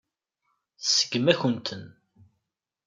Tseggem-akent-ten.